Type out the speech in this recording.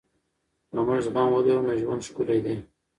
که موږ زغم ولرو نو ژوند ښکلی دی.